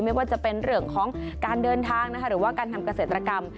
ไม่ว่าจะเป็นเหลืองของการเดินทางนะคะหรือว่าการทำกาเสธรกรรม